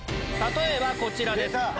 例えばこちらです。